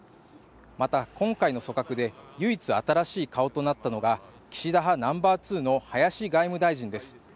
また、今回の組閣で唯一新しい顔となったのが岸田派ナンバー２の林外務大臣です。